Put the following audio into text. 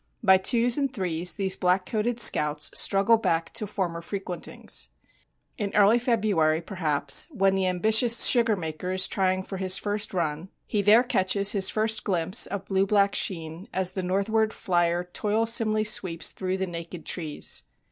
By twos and threes these black coated scouts struggle back to former frequentings. In early February, perhaps, when the ambitious sugar maker is trying for his first "run," he there catches his first glimpse of blue black sheen as the northward flyer toilsomely sweeps through the naked trees.